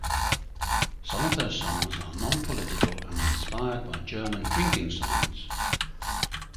Some of their songs are non-political and inspired by German drinking songs.